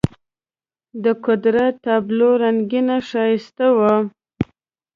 د قدرت تابلو رنګینه ښایسته وه.